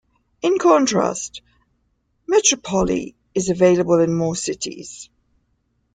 In contrast, "Metropoli" is available in more cities.